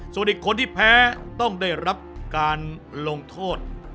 ส่วนอีกคนที่แพ้ต้องได้รับการลงโทษ